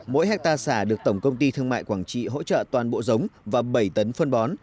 mỗi hectare xả được tổng công ty thương mại quảng trị hỗ trợ toàn bộ giống và bảy tấn phân bó